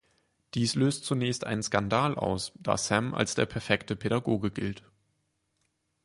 Dies löst zunächst einen Skandal aus, da Sam als der perfekte Pädagoge gilt.